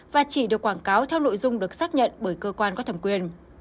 và chỉ được quảng cáo theo nội dung được xác nhận bởi cơ quan có thẩm quyền